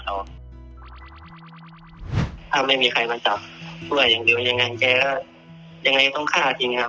ถ้าไม่มีใครมาจับเพื่ออย่างเดียวยังไงแกก็ยังไงต้องฆ่าจริงครับ